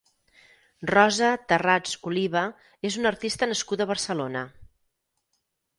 Rosa Tharrats Oliva és una artista nascuda a Barcelona.